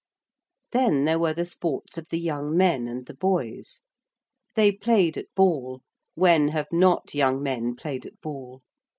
Then there were the sports of the young men and the boys. They played at ball when have not young men played at ball?